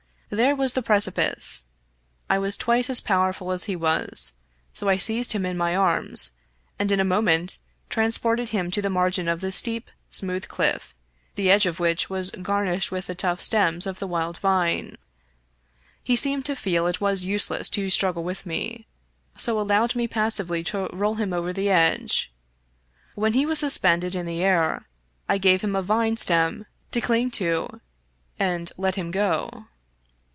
There was the precipice. I was twice as powerful as he was, so I seized him in my arms, and in a moment transported him to the margin of the steep, smooth cliff, the edge of which was garnished with the tough stems of the wild vine. He seemed to feel it was useless to struggle with me, so allowed me passively to roll him over the edge. When he was suspended in the air, I gave him a vine stem to cling to and let him go.